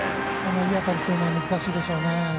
いい当たりするのは難しいでしょうね。